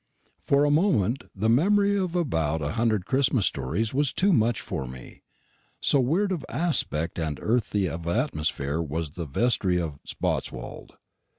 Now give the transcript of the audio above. For a moment, the memory of about a hundred Christmas stories was too much for me so weird of aspect and earthy of atmosphere was the vestry at Spotswold.